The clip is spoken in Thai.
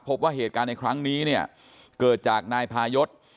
พบว่าเหตุการณ์ในครั้งนี้เนี่ยเกิดจากนายพายศ